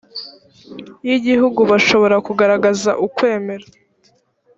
y igihugu bashobora kugaragaza ukwemera